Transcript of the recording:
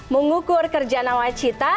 mengukur kerjaan awal cita